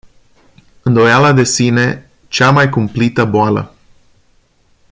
Îndoiala de sine, cea mai cumplită boală.